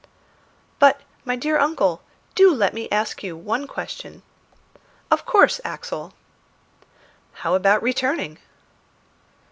"But, my dear uncle, do let me ask you one question." "Of course, Axel." "How about returning?"